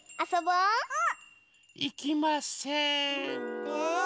うん！